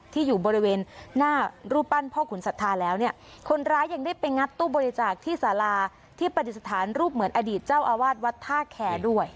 ที่อยู่บริเวณหน้ารูปปั้นพ่อขุนศรัทธาแล้วเนี่ยคนร้ายยังได้ไปงัดตู้บริจาคที่สาราที่ปฏิสถานรูปเหมือนอดีตเจ้าอาวาสวัดท่าแคร์ด้วย